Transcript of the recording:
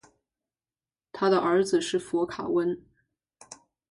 他的儿子是佛卡温。